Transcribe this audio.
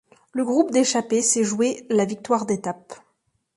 Le groupe d'échappé s'est joué la victoire d'étape.